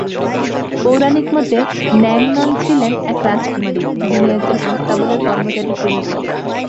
পৌরাণিক মতে ন্যাং নন ছিলেন এক রাজকুমারী, যিনি একজন আস্তাবলের কর্মচারীর প্রেমে পড়েন।